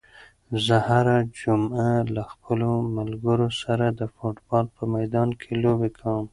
زه هره جمعه له خپلو ملګرو سره د فوټبال په میدان کې لوبې کوم.